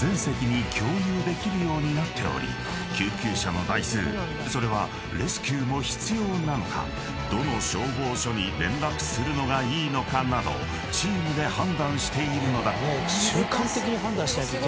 ［救急車の台数それはレスキューも必要なのかどの消防署に連絡するのがいいのかなどチームで判断しているのだ］